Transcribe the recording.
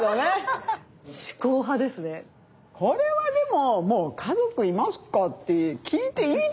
これはでももう「家族いますか？」って聞いていいと思う。